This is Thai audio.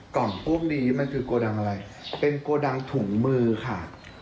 กล่องพวกนี้มันคือโกดังอะไรเป็นโกดังถุงมือค่ะ